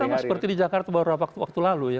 itu sama seperti di jakarta beberapa waktu lalu